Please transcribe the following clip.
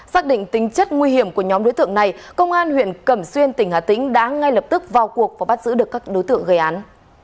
xác định tính chất nguy hiểm của nhóm đối tượng này công an huyện cẩm xuyên tỉnh hà tĩnh đã ngay lập tức vào cuộc và bắt giữ được các đối tượng gây án